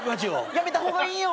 やめた方がいいよ。